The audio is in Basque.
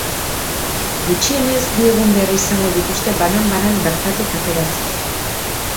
Gutxienez, bi egun behar izango dituzte banan-banan bertatik ateratzeko.